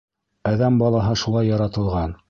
Әҙәм балаһы шулай яратылған.